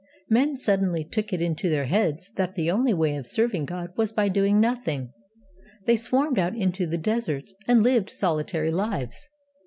Men suddenly took it into their heads that the only way of serving God was by doing nothing. They swarmed out into the deserts, and lived solitary lives.